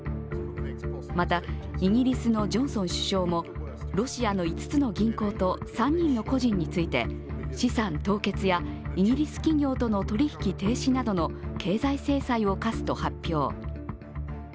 また、イギリスのジョンソン首相もロシアの５つの銀行と３人の個人について資産凍結やイギリス企業との取引停止などの経済制裁を科すと発表。